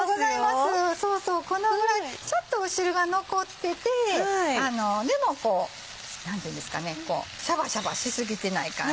そうそうこのぐらいちょっと汁が残っててでもシャバシャバし過ぎてない感じ。